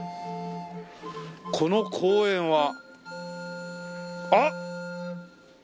「この公園は」あっ！